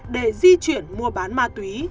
để di chuyển mua bán ma túy